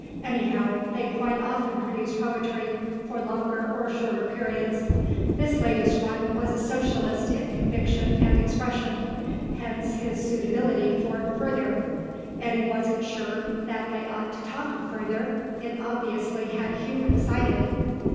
Anyhow they quite often produced poetry, for longer or shorter periods. This latest one was a Socialist in conviction and expression; hence his suitability for Further. Eddy wasn't sure that they ought to talk of Further; it obviously had Hugh excited.